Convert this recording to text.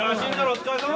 お疲れさま。